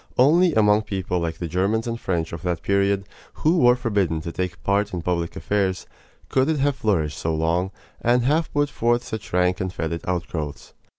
Only among people like the Germans and French of that period, who were forbidden to take part in public affairs, could it have flourished so long, and have put forth such rank and fetid outgrowths.